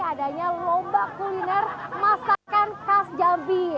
adanya lomba kuliner masakan khas jambi